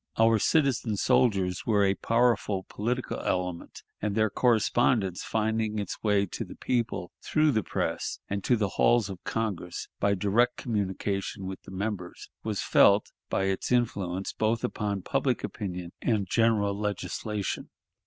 Our citizen soldiers were a powerful political element, and their correspondence, finding its way to the people through the press and to the halls of Congress by direct communication with the members, was felt, by its influence both upon public opinion and general legislation.